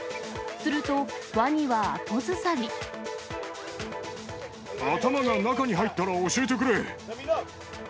すると、頭が中に入ったら教えてくれ。